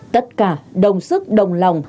tất cả đồng sức đồng lòng